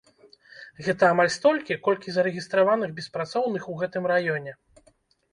Гэта амаль столькі, колькі зарэгістраваных беспрацоўных у гэтым раёне.